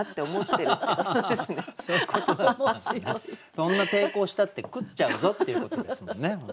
そんな抵抗したって食っちゃうぞっていうことですもんね。